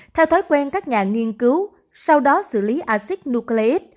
theo thói quen các nhà nghiên cứu sau đó xử lý acid nucleic